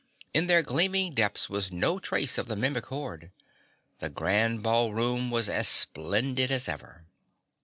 In their gleaming depths was no trace of the Mimic horde. The Grand Ballroom was as splendid as ever.